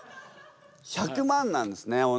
１００万なんですね。